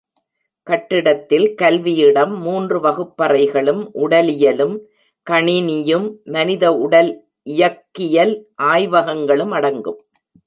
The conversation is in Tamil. கட்டிடத்தில் கல்வி இடம் மூன்று வகுப்பறைகளும் உடலியலும், கணினியும் மனித உடல் இயக்கியல் ஆய்வகங்களும் அடங்கும்.